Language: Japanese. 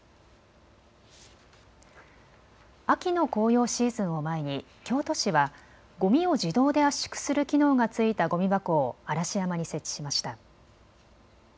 秋の紅葉シーズンを前に京都市はごみを自動で圧縮する機能がついたごみ箱を嵐山に設置しました。